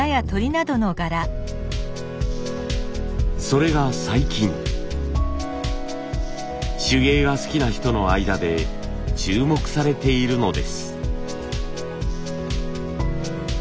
それが最近手芸が好きな人の間で注目されているのです。